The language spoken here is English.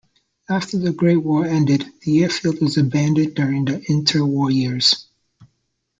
After the Great War ended, the airfield was abandoned during the inter-war years.